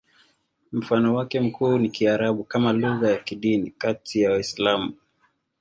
Mfano wake mkuu ni Kiarabu kama lugha ya kidini kati ya Waislamu.